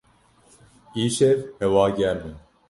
Îşev hewa germ e.